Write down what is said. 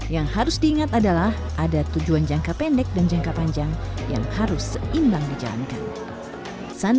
yang harus diingat adalah ada tujuan jangka pendek dan jangka panjang yang harus seimbang dijalankan